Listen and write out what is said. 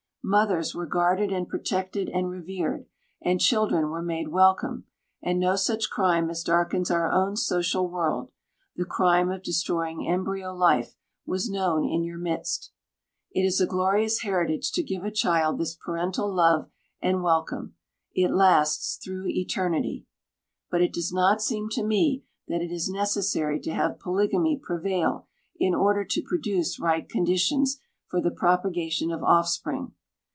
Mothers were guarded and protected and revered, and children were made welcome, and no such crime as darkens our own social world the crime of destroying embryo life was known in your midst. It is a glorious heritage to give a child this parental love and welcome. It lasts through eternity. But it does not seem to me that it is necessary to have polygamy prevail in order to produce right conditions for the propagation of offspring.